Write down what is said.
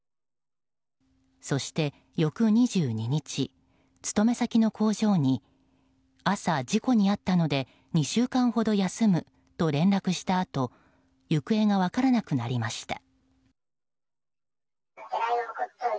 そして、翌２２日勤め先の工場に朝、事故に遭ったので２週間ほど休むと連絡をしたあと行方が分からなくなりました。